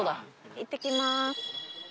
いってきます。